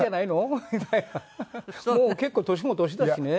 もう結構年も年だしね。